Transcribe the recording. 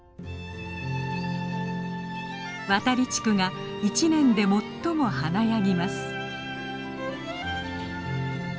渡利地区が一年で最も華やぎます。